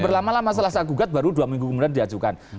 berlama lama setelah saya gugat baru dua minggu kemudian diajukan